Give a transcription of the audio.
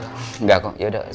enggak kok yaudah